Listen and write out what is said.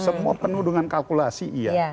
semua penuh dengan kalkulasi